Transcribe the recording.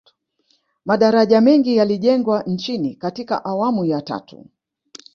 madaraja mengi yalijengwa nchini katika awamu ya tatu